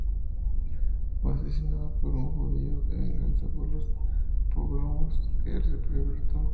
Fue asesinado por un judío en venganza por los pogromos que perpetró.